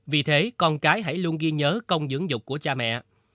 vì thế con cái hãy luôn ghi nhớ công dưỡng dục của cha mẹ